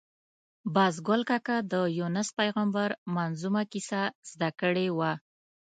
باز ګل کاکا د یونس پېغمبر منظمومه کیسه زده کړې وه.